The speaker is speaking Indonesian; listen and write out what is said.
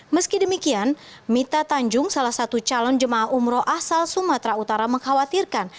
meski demikian mita tanjung salah satu calon jemaah umroh asal sumatera utara mengkhawatirkan